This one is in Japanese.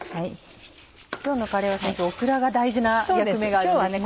今日のカレーはオクラが大事な役目があるんですね。